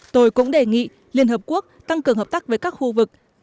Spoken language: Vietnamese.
tôi cũng đề nghị liên hợp quốc tăng cường hợp tác với các khu vực